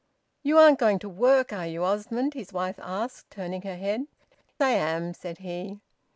"You aren't going to work, are you, Osmond?" his wife asked, turning her head. "I am," said he.